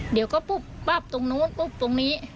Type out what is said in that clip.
เดี๋ยวก็ปุ๊บปั๊บตรงนู้นปุ๊บตรงนี้